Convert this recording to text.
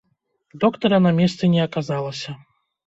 Доктара на месцы не аказалася.